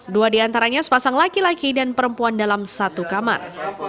dua diantaranya sepasang laki laki dan perempuan dalam satu kamar